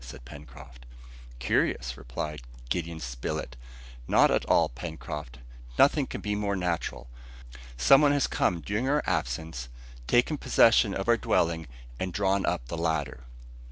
said Pencroft. "Curious?" replied Gideon Spilett, "not at all, Pencroft, nothing can be more natural. Some one has come during our absence, taken possession of our dwelling and drawn up the ladder."